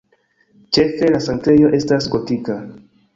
Ĉefe la sanktejo estas gotika.